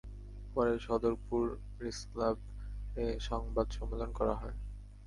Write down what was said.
পরে সদরপুর প্রেসক্লাবে সংবাদ সম্মেলন করা হয়।